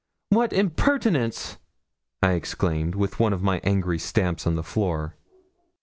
'What impertinence!' I exclaimed, with one of my angry stamps on the floor.